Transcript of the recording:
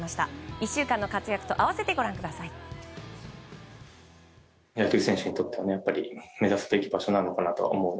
１週間の活躍と合わせてご覧ください。